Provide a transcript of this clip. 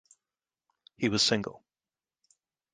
He was single.